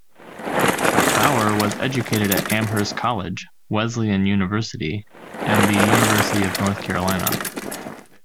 Bauer was educated at Amherst College, Wesleyan University and the University of North Carolina.